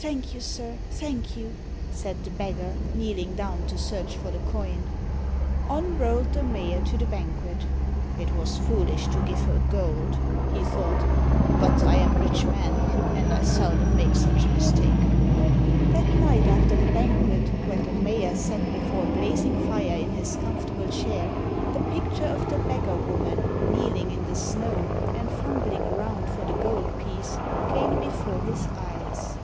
"Thank you, sir, thank you," said the beggar, kneeling down to search for the coin. On rolled the mayor to the banquet. "It was foolish to give her gold," he thought, "but I'm a rich man, and I seldom make such a mistake." That night after the banquet when the mayor sat before a blazing fire in his comfortable chair, the picture of the beggar woman, kneeling in the snow, and fumbling around for the gold piece, came before his eyes.